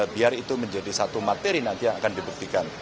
biar itu menjadi satu materi nanti yang akan dibuktikan